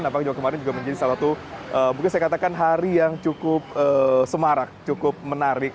nampak juga kemarin juga menjadi salah satu mungkin saya katakan hari yang cukup semarak cukup menarik